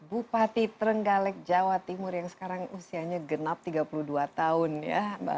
bupati trenggalek jawa timur yang sekarang usianya genap tiga puluh dua tahun ya